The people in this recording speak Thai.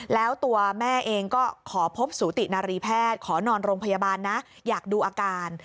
แล้วตัวแม่เองก็ขอพบสูตินารีแพทย์ขอนอนโรงพยาบาลนะอยากดูอาการ